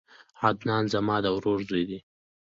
عدنان زما د ورور زوی دی